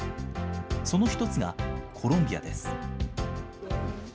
その一つが、コロンビアです。